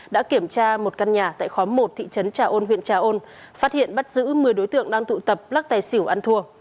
đã kiểm tra một căn nhà tại khóm một thị trấn trà ôn huyện trà ôn phát hiện bắt giữ một mươi đối tượng đang tụ tập lắc tài xỉu ăn thua